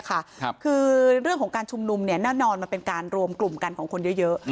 คือเรื่องของการชุมนุมแน่นอนมันเป็นการรวมกลุ่มกันของคนเยอะ